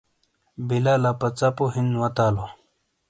بیلا لاپہ ژاپو ہِین واتالو ۔